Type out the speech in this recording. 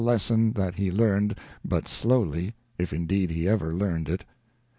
xiii lesson that he learned but slowly, if indeed he ever learned it.